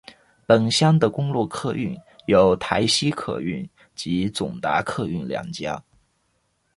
本乡的公路客运有台西客运及总达客运两家。